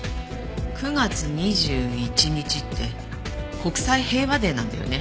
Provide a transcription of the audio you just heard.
９月２１日って国際平和デーなんだよね。